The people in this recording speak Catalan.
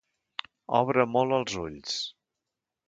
Obre molt els ulls.